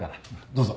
どうぞ。